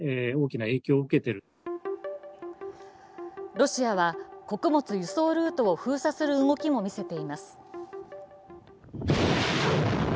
ロシアは穀物輸送ルートを封鎖する動きも見せています。